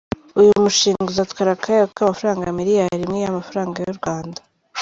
Uyu mushinga uzatwara akayabo k’amafaranga miliyari imwe y’amafaranga y’u Rwanda.